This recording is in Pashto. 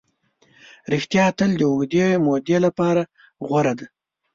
ریښتیا تل د اوږدې مودې لپاره غوره ده.